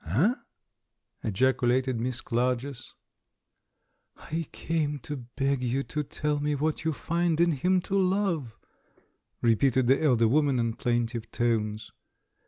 "Eh?" ejaculated Miss Clarges. "I came to beg you to tell me what you find in him to love," repeated the elder woman in plain tive tones.